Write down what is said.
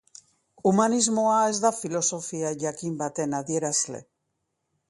Humanismoa ez da filosofia jakin baten adierazle.